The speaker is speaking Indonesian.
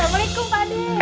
waalaikumsalam pak deh